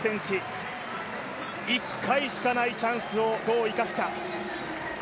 １回しかないチャンスをどう生かすか。